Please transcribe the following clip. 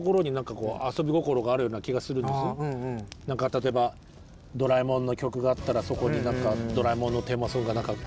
例えば「ドラえもん」の曲があったらそこに「ドラえもん」のテーマソングが隠れてたりだとか。